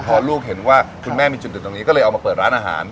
พอลูกเห็นว่าคุณแม่มีจุดเด่นตรงนี้ก็เลยเอามาเปิดร้านอาหาร